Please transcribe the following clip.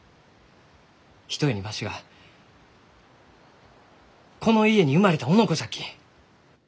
ひとえにわしがこの家に生まれたおのこじゃき！